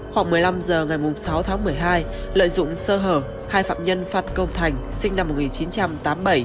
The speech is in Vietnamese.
khoảng một mươi năm h ngày sáu tháng một mươi hai lợi dụng sơ hở hai phạm nhân phan công thành sinh năm một nghìn chín trăm tám mươi bảy